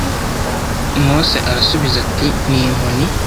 Mose arasubiza ati ni inkoni